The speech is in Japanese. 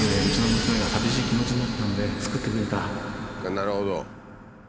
なるほど。